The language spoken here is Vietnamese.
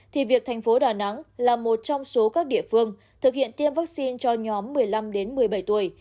thì việc thành phố đà nẵng là một trong số các địa phương thực hiện tiêm vaccine cho nhóm một mươi năm một mươi bảy tuổi